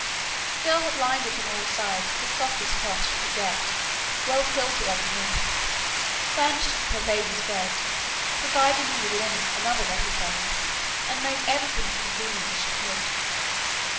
The girl had lined it on all sides with the softest cloth she could get, well quilted underneath, furnished it with her baby's bed, provided me with linen and other necessaries, and made everything as convenient as she could.